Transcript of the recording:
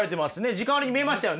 時間割に見えましたよね。